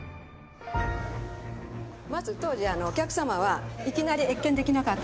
まず当時お客様はいきなり謁見できなかったんです。